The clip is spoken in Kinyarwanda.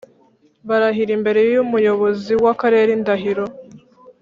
barahira imbere y Umuyobozi w Akarere indahiro